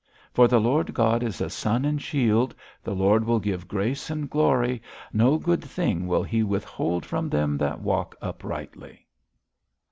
"For the Lord God is a sun and shield; the Lord will give grace and glory; no good thing will He withhold from them that walk uprightly."'